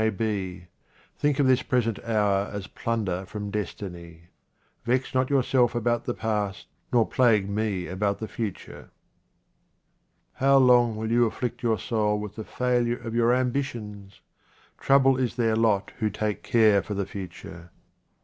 may be. Think of this present hour as plunder from destiny. Vex not yourself about the past, nor plague me about the future. How long will you afflict your soul with the failure of your ambitions ? Trouble is their lot who take care for the future.